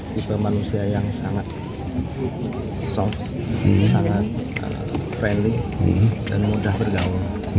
tipe manusia yang sangat soft sangat friendly dan mudah bergaul